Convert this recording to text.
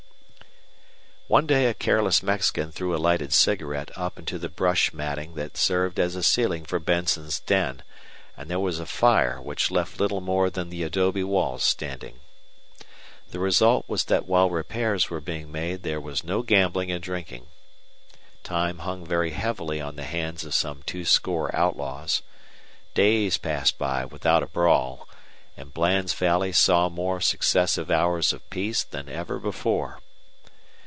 One day a careless Mexican threw a lighted cigarette up into the brush matting that served as a ceiling for Benson's den, and there was a fire which left little more than the adobe walls standing. The result was that while repairs were being made there was no gambling and drinking. Time hung very heavily on the hands of some two score outlaws. Days passed by without a brawl, and Bland's valley saw more successive hours of peace than ever before.